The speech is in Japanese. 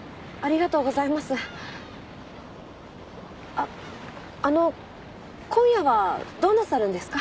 あっあの今夜はどうなさるんですか？